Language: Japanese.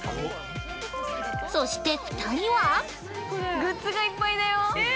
そして２人は◆グッズがいっぱいだよー。